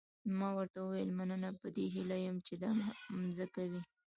ما ورته وویل مننه په دې هیله یم چې دا مځکه وي.